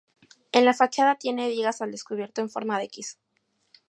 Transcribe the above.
En la fachada tiene vigas al descubierto en forma de equis.